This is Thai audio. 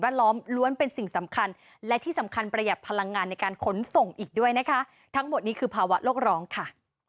ล้อมล้วนเป็นสิ่งสำคัญและที่สำคัญประหยัดพลังงานในการขนส่งอีกด้วยนะคะทั้งหมดนี้คือภาวะโลกร้องค่ะ